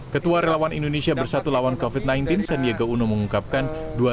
ketua relawan indonesia bersatu lawan covid sembilan belas sandiaga uno mengungkapkan